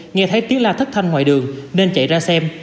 nghe thấy tiếng la thất thanh ngoài đường nên chạy ra xem